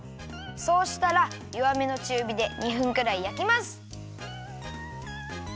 そうしたらよわめのちゅうびで２分くらいやきます。